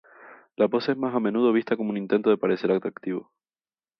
La pose es más a menudo vista como un intento de parecer atractivo.